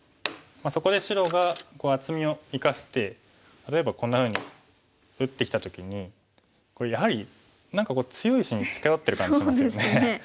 そこで白が厚みを生かして例えばこんなふうに打ってきた時にこれやはり何か強い石に近寄ってる感じしますよね。